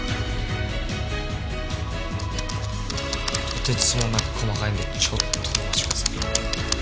とてつもなく細かいんでちょっとお待ちください。